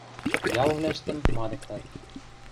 Ялвлӓштӹм мадыктат.